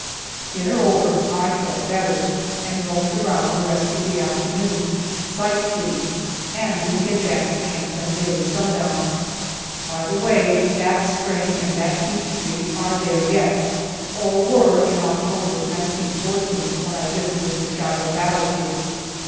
Dinner over, I felt better, and roamed around the rest of the afternoon, sight seeing, and didn't get back to camp till nearly sundown. By the way, that spring and that beech tree are there yet, or were in October, 1914, when I visited the Shiloh battlefield.